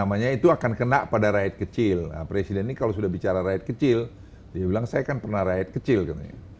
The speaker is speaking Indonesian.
benarnya itu akan kena pada raid kecil kalau presiden nih kalau sudah bicara raid kecil dia bilang saya kan pernah raid kecil katanya